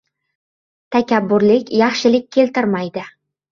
• Takabburlik yaxshilik keltirmaydi.